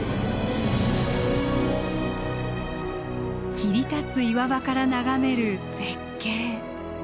切り立つ岩場から眺める絶景。